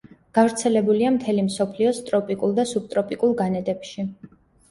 გავრცელებულია მთელი მსოფლიოს ტროპიკულ და სუბტროპიკულ განედებში.